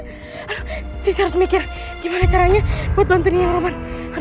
ah sisi harus mikir gimana caranya buat bantuin yang roman